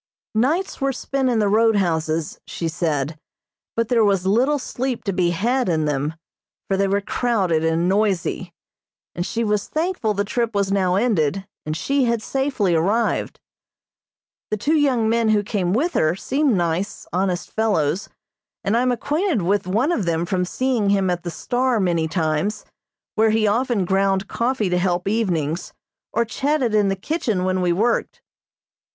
Nights were spent in the roadhouses, she said, but there was little sleep to be had in them, for they were crowded and noisy, and she was thankful the trip was now ended, and she had safely arrived. The two young men who came with her seem nice, honest fellows, and I am acquainted with one of them from seeing him at the "Star" many times, where he often ground coffee to help evenings, or chatted in the kitchen when we worked.